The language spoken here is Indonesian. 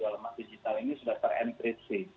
yang memang menjual emas digital ini sudah ter encrypt sih